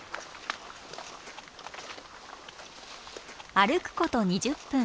歩くこと２０分。